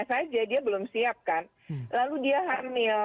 saja dia belum siapkan lalu dia hamil